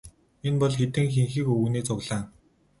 Энэ бол хэдэн хэнхэг өвгөний цуглаан.